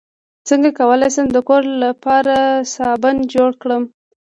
څنګه کولی شم د کور لپاره صابن جوړ کړم